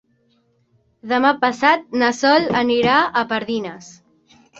Demà passat na Sol anirà a Pardines.